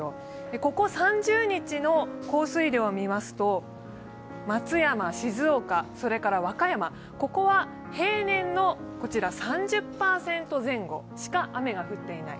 ここ３０日の降水量を見ますと、松山、静岡、和歌山、ここは平年の３０％前後しか雨が降っていない。